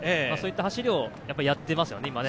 今、そういった走りをやっていますよね。